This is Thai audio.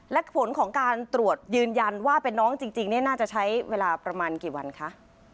และผลของการตรวจยืนยันว่าเป็นน้องจริงน่าจะใช้เวลาประมาณกี่วันคะ